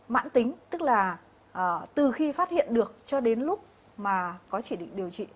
mãn tính tức là từ khi phát hiện được cho đến lúc mà có chỉ định điều trị